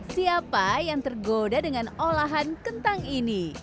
siapa yang tergoda dengan olahan kentang ini